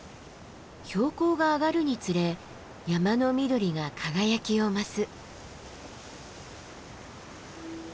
標高が上がるにつれ山の緑が輝きを増す。